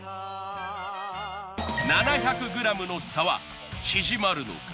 ７００ｇの差は縮まるのか？